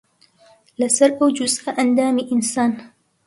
لەسەر ئەو جوزئە ئەندامی ئینسان